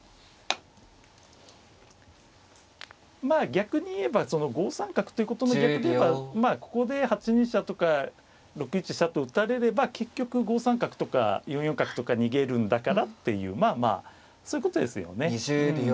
逆に言えば５三角ということの逆で言えばまあここで８二飛車とか６一飛車と打たれれば結局５三角とか４四角とか逃げるんだからっていうまあまあそういうことですよね。